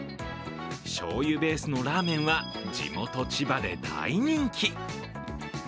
しょうゆベースのラーメンは地元・千葉で大人気。